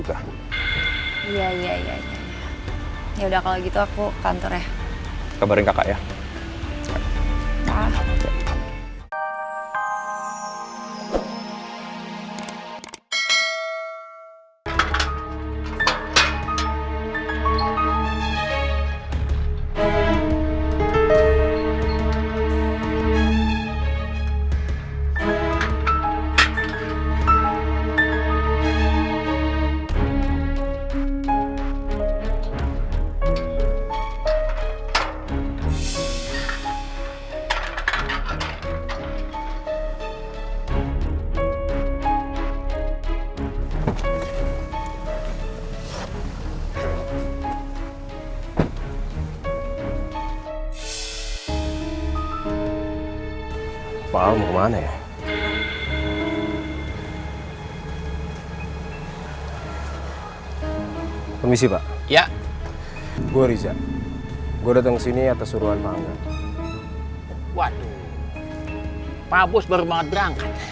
waduh pak bos baru banget berangkat